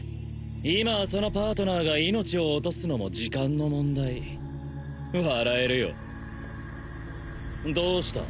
今はそのパートナーが命を落とすのも時間の問題笑えるよどうした？